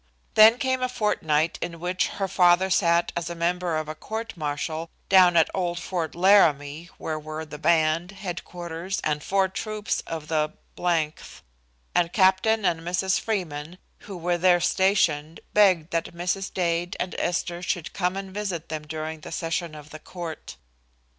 Then came a fortnight in which her father sat as a member of a court martial down at old Fort Laramie, where were the band, headquarters and four troops of the th, and Captain and Mrs. Freeman, who were there stationed, begged that Mrs. Dade and Esther should come and visit them during the session of the court.